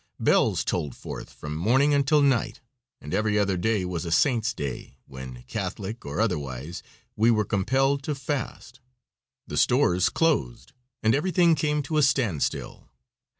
Bells tolled forth from morning until night, and every other day was a saint's day, when, Catholic or otherwise, we were compelled to fast; the stores closed, and everything came to a standstill.